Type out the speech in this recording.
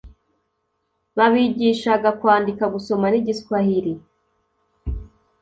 babigishaga kwandika, gusoma n'igiswahili